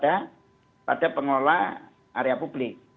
tapi pada pengelola area publik